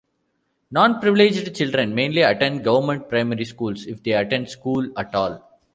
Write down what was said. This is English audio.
Non-privileged children mainly attend government primary schools, if they attend school at all.